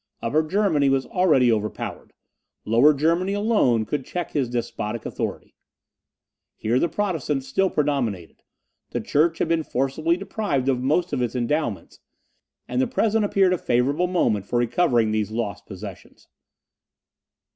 Upper Germany was already overpowered. Lower Germany alone could check his despotic authority. Here the Protestants still predominated; the church had been forcibly deprived of most of its endowments; and the present appeared a favourable moment for recovering these lost possessions.